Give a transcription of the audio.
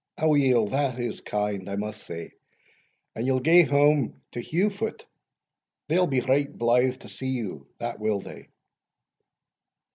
"Aweel, that IS kind, I must say. And ye'll gae hame to Heugh foot? They'll be right blithe to see you, that will they."